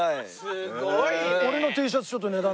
すごいね！